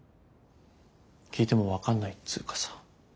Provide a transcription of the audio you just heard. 聞いても分かんないっつうかさ。